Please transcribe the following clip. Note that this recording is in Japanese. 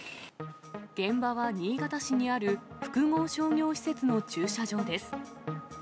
現場は新潟市にある複合商業施設の駐車場です。